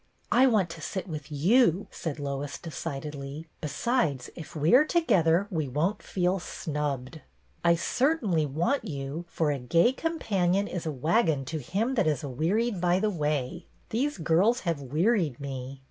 " I want to sit with you," said Lois, decid edly. " Besides, if we are together we won't feel snubbed." " I certainly want you, for ' A gay com panion is a wagon to him that is awearied by the way.' These girls have wearied me."